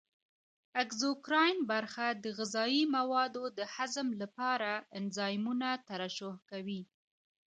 اګزوکراین برخه د غذایي موادو د هضم لپاره انزایمونه ترشح کوي.